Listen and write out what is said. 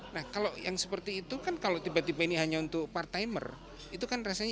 nah kalau yang seperti itu kan kalau tiba tiba ini hanya untuk part timer itu kan rasanya